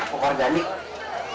apakah itu tadi padi atau pacar